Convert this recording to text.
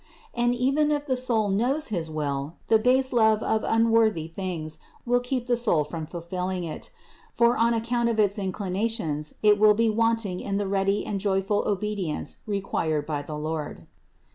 And even if the soul knows his will, the base love of unworthy things will keep the soul from fulfilling it; for on account of its inclinations, it will be wanting in the ready and joyful obedience required by the Lord.